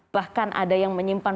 bahkan ada yang menyimpan